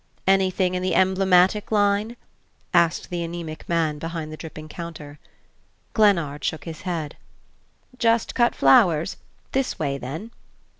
"Anything in the emblematic line?" asked the anaemic man behind the dripping counter. Glennard shook his head. "Just cut flowers? This way, then."